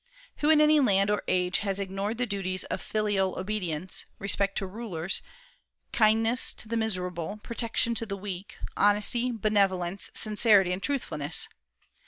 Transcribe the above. Who in any land or age has ignored the duties of filial obedience, respect to rulers, kindness to the miserable, protection to the weak, honesty, benevolence, sincerity, and truthfulness?